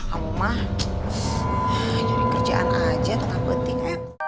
ah kamu mah jadi kerjaan aja tetap penting